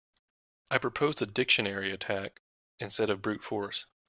I'd propose a dictionary attack instead of brute force.